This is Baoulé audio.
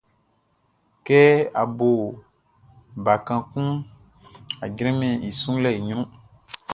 Kɛ a bo bakan kunʼn, a jranmɛn i sunlɛʼn i ɲrun.